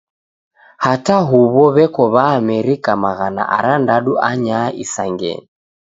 Hata huw'o w'eko W'aamerika maghana arandadu anyaha isangenyi.